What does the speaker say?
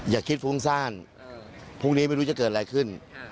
อย่าคิดฟุ้งซ่านพรุ่งนี้ไม่รู้จะเกิดอะไรขึ้น